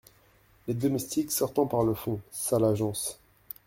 Les Domestiques , sortant par le fond. — Sale agence !